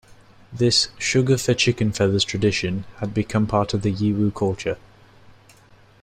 This "Sugar-For-Chicken Feathers" tradition had become part of Yiwu culture.